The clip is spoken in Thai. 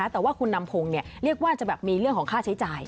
แต่ว่าคุณนำพงศ์เรียกว่าจะแบบมีเรื่องของค่าใช้จ่าย